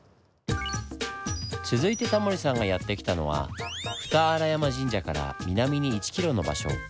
続いてタモリさんがやって来たのは二荒山神社から南に１ｋｍの場所。